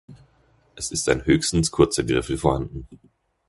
Es ist ein höchstens kurzer Griffel vorhanden.